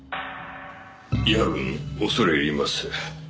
夜分恐れ入ります。